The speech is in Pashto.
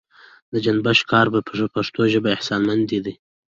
د جنبش کار پر پښتو ژبه احسانمندي ده.